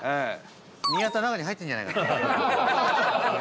宮田、中に入ってるんじゃないの？